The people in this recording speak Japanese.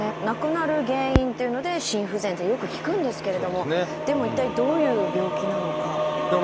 亡くなる原因っていうので「心不全」ってよく聞くんですけれどもでも一体どういう病気なのか。